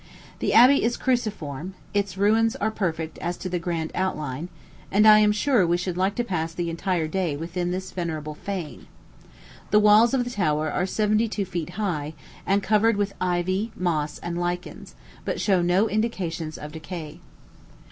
The abbey is cruciform; its ruins are perfect as to the grand outline; and I am sure we should like to pass the entire day within this venerable fane. The walls of the tower are seventy two feet high, and covered with ivy, moss, and lichens, but show no indications of decay.